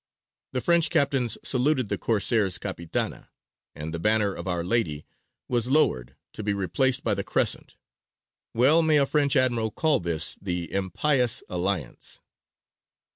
The French captains saluted the Corsair's capitana, and the banner of Our Lady was lowered to be replaced by the Crescent. Well may a French admiral call this "the impious alliance."